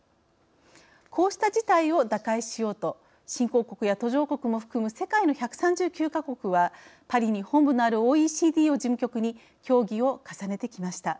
こうした事態を打開しようと新興国や途上国も含む世界の１３９か国はパリに本部のあるＯＥＣＤを事務局に協議を重ねてきました。